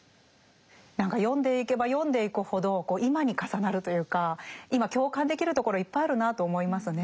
何か読んでいけば読んでいくほど今に重なるというか今共感できるところいっぱいあるなと思いますね。